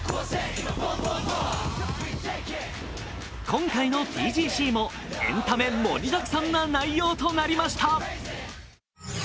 今回のＴＧＣもエンタメ盛りだくさんな内容となりました。